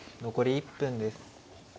残り１分です。